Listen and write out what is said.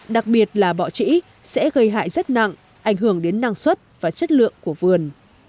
đặc biệt là bọ trĩ sẽ gây hại rất nặng ảnh hưởng đến năng suất và chất lượng của vườn